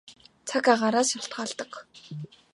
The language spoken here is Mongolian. Цаг агаараас шалтгаалдаг.